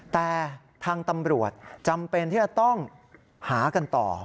แต่ทางตำรวจจำเป็นที่จะต้องหากันต่อ